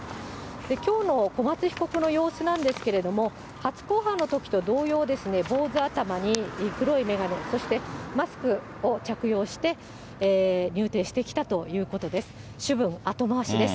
きょうの小松被告の様子なんですけれども、初公判のときと同様、坊主頭に黒い眼鏡、そしてマスクを着用して入廷してきたということです。